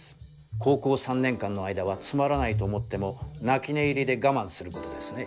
高校３年間の間はつまらないと思っても泣き寝入りで我慢することですね。